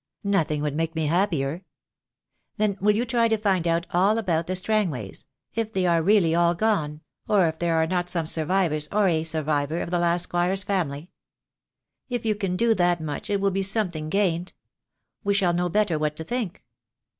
"Nothing would make me happier." "Then will you try to find out all about the Strang ways — if they are really all gone, or if there are not some survivors, or a survivor, of the last squire's family? If you can do that much it will be something gained. We shall know better what to think.